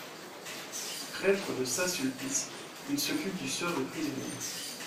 Prêtre de Saint-Sulpice, il s'occupe du sort des prisonniers.